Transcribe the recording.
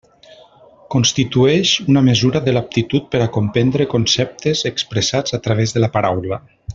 Constitueix una mesura de l'aptitud per a comprendre conceptes, expressats a través de la paraula.